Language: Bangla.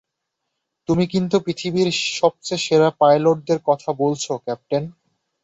তুমি কিন্তু পৃথিবীর সবচেয়ে সেরা পাইলটদের কথা বলছো, ক্যাপ্টেন।